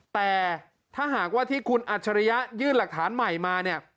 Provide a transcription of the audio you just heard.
แต่ถ้าหากว่าที่คุณอัจฉริยะยื่นหลักฐานใหม่มาเนี่ย